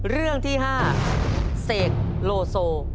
เรื่องที่๕เสกโลโซ